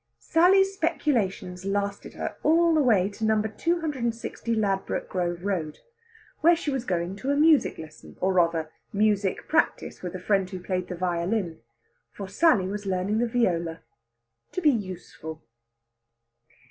Sally's speculations lasted her all the way to No. 260, Ladbroke Grove Road, where she was going to a music lesson, or rather music practice, with a friend who played the violin; for Sally was learning the viola to be useful.